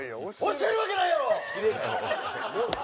教えるわけないやろ！